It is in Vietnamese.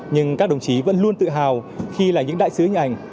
nhưng các đồng chí vẫn luôn tự hào khi là những đại sứ hình ảnh